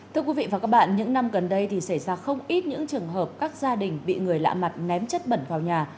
thưa quý vị và các bạn những năm gần đây thì xảy ra không ít những trường hợp các gia đình bị người lạ mặt ném chất bẩn vào nhà